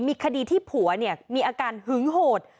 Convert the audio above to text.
มีคดีที่ผัวเนี่ยมีอาการหึงโหด